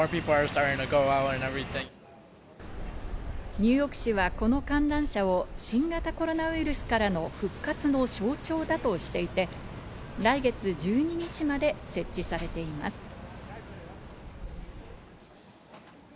ニューヨーク市は、この観覧車を新型コロナウイルスからの復活の象徴だとしていて来月１２日まで設置されています。